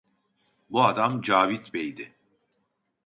Bu adam Cavit Bey'di.